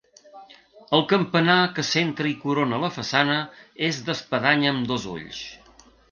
El campanar que centra i corona la façana és d'espadanya amb dos ulls.